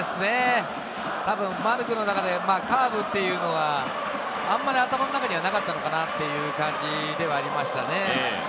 たぶん丸君の中でカーブというのが、あんまり頭の中にはなかったのかなという感じではありましたね。